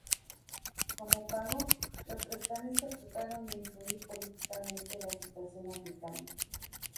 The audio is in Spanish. Como pago, los prestamistas trataron de influir políticamente la situación africana.